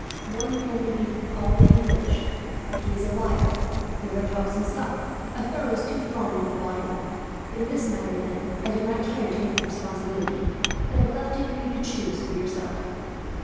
One man may be all that you wish, but he is a liar; another helps himself; a third is too fond of the bottle. In this matter, then, I did not care to take the responsibility, but have left it for you to choose for yourself."